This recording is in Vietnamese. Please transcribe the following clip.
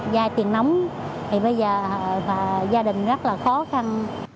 gia tiền nóng thì bây giờ gia đình rất là khó khăn